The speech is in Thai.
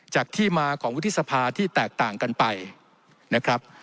ที่มาของวุฒิสภาที่แตกต่างกันไปนะครับ